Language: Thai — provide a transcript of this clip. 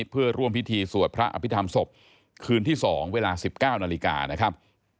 เพื่อร่วมพิธีสวดพระอภิษฐรรมศพคืนที่๒เวลา๑๙นาฬิกานะครับ